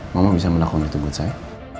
mama bisa menakutkan ditunggu saya